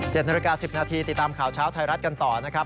นาฬิกาสิบนาทีติดตามข่าวเช้าไทยรัฐกันต่อนะครับ